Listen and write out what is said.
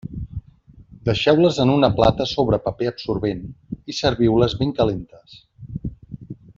Deixeu-les en una plata sobre paper absorbent i serviu-les ben calentes.